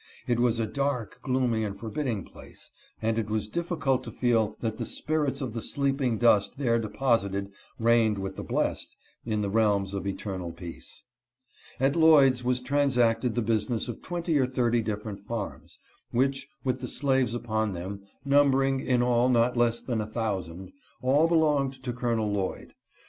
It was a dark, gloomy, and forbidding place, and it was difficult to feel that the spirits of the sleeping dust there deposited reigned with the blest in the realms of eternal peace. At Lloyd's, was transacted the business of twenty or thirty different farms, which, with the slaves upon them, numbering, in all, not less than a thousand, all belonged to Col. Lloyd.